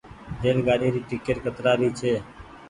ريل گآڏي ري ٽيڪٽ ڪترآ ري ڇي۔